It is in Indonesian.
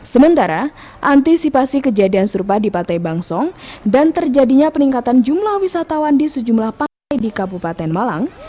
sementara antisipasi kejadian serupa di pantai bangsong dan terjadinya peningkatan jumlah wisatawan di sejumlah pantai di kabupaten malang